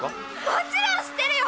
もちろん知ってるよ。